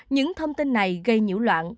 những thông tin này gây nhiễu loạn